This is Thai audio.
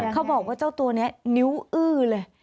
เขาบอกว่าเจ้าตัวนี้นิ้วอื้อเลย